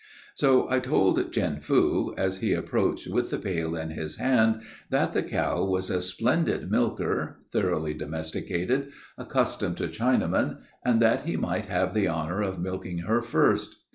So I told Chin Foo, as he approached with the pail in his hand, that the cow was a splendid milker, thoroughly domesticated, accustomed to Chinamen, and that he might have the honor of milking her first.